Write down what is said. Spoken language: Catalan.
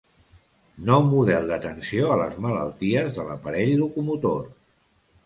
Nou model d'atenció a les malalties de l'aparell locomotor.